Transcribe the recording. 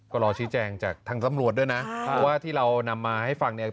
ก็รอชี้แจงจากทางสำรวจด้วยนะเพราะว่าที่เรานำมาให้ฟังเนี่ย